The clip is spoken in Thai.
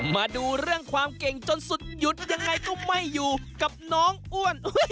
มาดูเรื่องความเก่งจนสุดหยุดยังไงก็ไม่อยู่กับน้องอ้วน